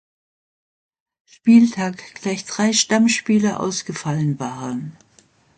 Spieltag gleich drei Stammspieler ausgefallen waren.